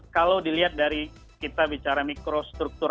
kalau dilihat dari kita bicara mikrostruktur